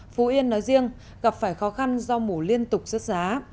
phú yên nói riêng gặp phải khó khăn do mùa liên tục rớt giá